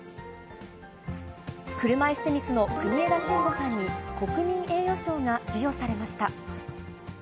車いすテニスの国枝慎吾さんに、国民栄誉賞が授与されました。